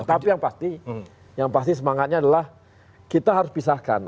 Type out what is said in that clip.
tapi yang pasti semangatnya adalah kita harus pisahkan